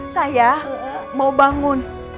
saya mau bangun